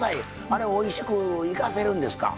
あれおいしく生かせるんですか？